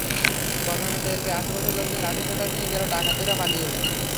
ঘটনা টের পেয়ে আশপাশের লোকজন লাঠিসোঁটা নিয়ে গেলে ডাকাতেরা পালিয়ে যায়।